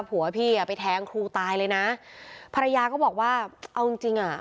ผัวพี่อ่ะไปแทงครูตายเลยนะภรรยาก็บอกว่าเอาจริงจริงอ่ะ